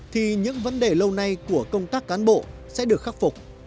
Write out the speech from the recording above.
thì những vấn đề lâu nay của công tác cán bộ sẽ được khắc phục